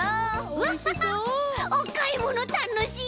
うわおかいものたのしい！